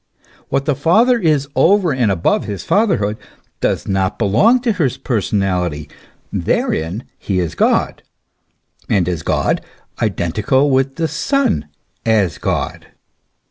What the Father is over and above his father hood, does not belong to his personality ; therein he is God, and as God identical with the Son as God.